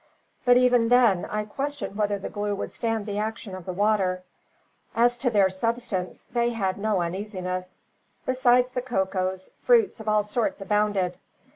But even then, I question whether the glue would stand the action of the water." As to their subsistence they had no uneasiness. Besides the cocoas, fruit of all sorts abounded.